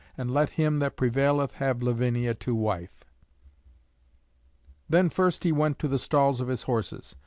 And let him that prevaileth have Lavinia to wife.'" Then first he went to the stalls of his horses.